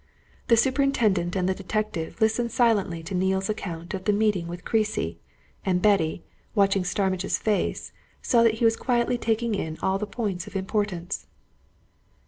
The superintendent and the detective listened silently to Neale's account of the meeting with Creasy, and Betty, watching Starmidge's face, saw that he was quietly taking in all the points of importance.